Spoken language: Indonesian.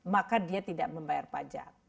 maka dia tidak membayar pajak